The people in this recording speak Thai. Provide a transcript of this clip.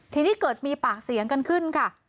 ทีนี้เกิดมีปากเสียงกันขึ้นค่ะ